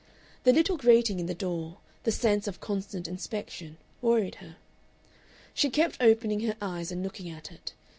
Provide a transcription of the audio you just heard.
The little grating in the door, the sense of constant inspection, worried her. She kept opening her eyes and looking at it.